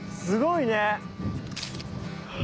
すごいね。